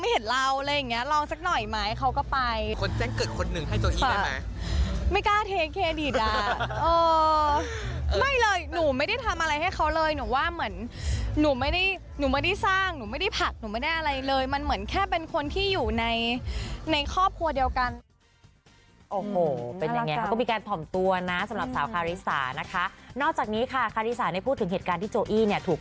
อาวุธค่ะอาวุธค่ะอาวุธค่ะอาวุธค่ะอาวุธค่ะอาวุธค่ะอาวุธค่ะอาวุธค่ะอาวุธค่ะอาวุธค่ะอาวุธค่ะอาวุธค่ะอาวุธค่ะอาวุธค่ะอาวุธค่ะอาวุธค่ะอาวุธค่ะอาวุธค่ะอาวุธค่ะอาวุธค่ะอาวุธค่ะอาวุธค่ะอ